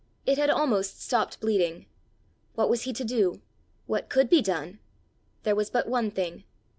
It had almost stopped bleeding. What was he to do? What could be done? There was but one thing!